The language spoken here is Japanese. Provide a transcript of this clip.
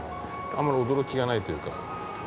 あまり驚きがないというか。